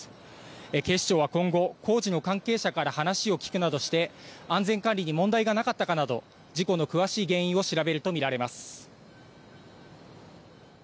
警視庁は今後、工事の関係者から話を聞くなどして安全管理に問題がなかったかなど事故の詳しい原因を調べると見られます。